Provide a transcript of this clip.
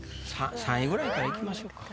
３位ぐらいからいきましょうか。